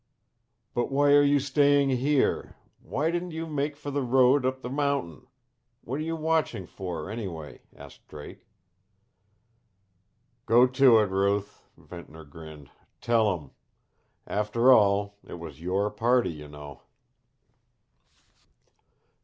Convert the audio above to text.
"But why are you staying here? Why didn't you make for the road up the mountain? What are you watching for, anyway?" asked Drake. "Go to it, Ruth," Ventnor grinned. "Tell 'em. After all it was YOUR party you know."